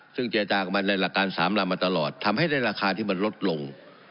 ซึ่งเจรจากับมันในหลักการสามลำมาตลอดทำให้ได้ราคาที่มันลดลง